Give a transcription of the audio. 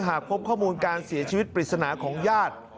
หากพบข้อมูลการเสียชีวิตปริศนาของญาติ